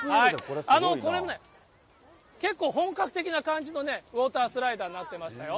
これ、結構本格的な感じのウォータースライダーになっていましたよ。